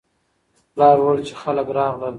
پلار وویل چې خلک راغلل.